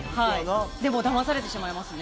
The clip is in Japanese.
でもだまされてしまいますね。